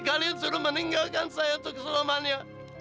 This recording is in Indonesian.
kalian suruh meninggalkan saya untuk keselamatannya